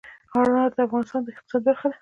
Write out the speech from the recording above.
انار د افغانستان د اقتصاد برخه ده.